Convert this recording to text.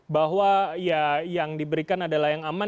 bahwa ya yang diberikan adalah yang aman